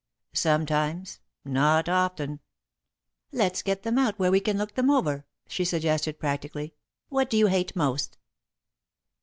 "Sometimes not often." "Let's get them out where we can look them over," she suggested, practically. "What do you hate most?"